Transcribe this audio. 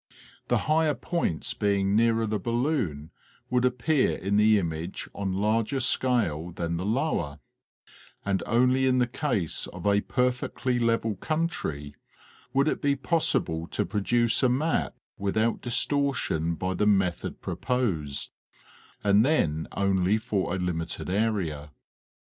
The higher points being nearer the balloon would appear in the image on larger scale than the lower, and only in the case of a perfectly level country, would it be possible to produce a map without dis tortion by the method proposed, and then only for a limited area.